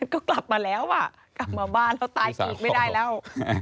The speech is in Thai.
ก็กลับมาแล้วอ่ะกลับมาบ้านแล้วตายอีกไม่ได้แล้ว